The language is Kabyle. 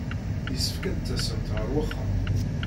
Yessefk ad d-tasemt ɣer wexxam.